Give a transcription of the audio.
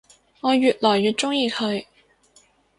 我愈來愈鍾意佢